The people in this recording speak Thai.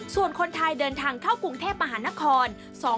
ส่วนคนไทยเดินทางเข้ากรุงเทพมหานคร